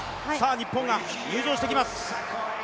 日本が入場してきます。